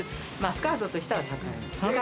スカートとしたら高い。